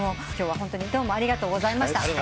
今日はホントにどうもありがとうございました。